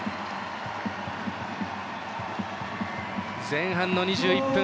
前半の２１分。